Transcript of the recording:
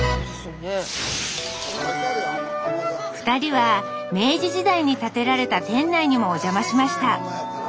２人は明治時代に建てられた店内にもお邪魔しました。